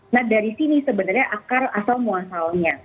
nah dari sini sebenarnya akar asal muasalnya